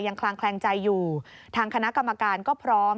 คลางแคลงใจอยู่ทางคณะกรรมการก็พร้อม